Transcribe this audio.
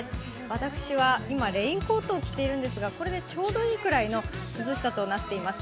私は今、レインコートを着ているんですが、これでちょうどいいくらいの涼しさとなっています。